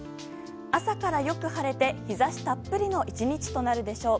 朝からよく晴れて日差したっぷりの１日となるでしょう。